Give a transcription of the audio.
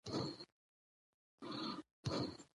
په خپل ژوند یې د ښار مخ نه وو لیدلی